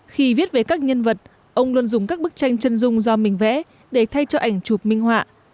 khi viết về các nhân vật ông luôn dùng các bức tranh chân dung do mình vẽ để thay cho ảnh chụp minh họa